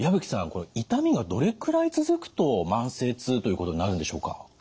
これ痛みがどれくらい続くと慢性痛ということになるんでしょうか？